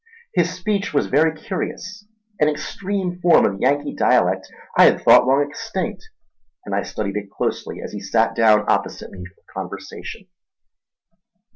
His speech was very curious, an extreme form of Yankee dialect I had thought long extinct; and I studied it closely as he sat down opposite me for conversation.